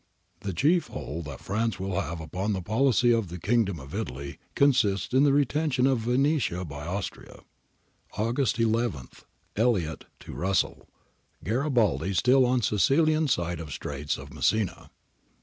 The chief hold that France will have upon the policy of the Kingdom of Italy consists in the retention of Venetia by Austria.'] August II. Elliot to Russell. [Garibaldi still on Sicilian side of Straits of Messina.